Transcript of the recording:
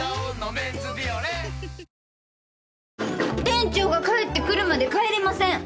店長が帰ってくるまで帰れません！